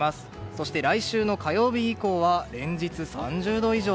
そして、来週の火曜日以降は連日３０度以上。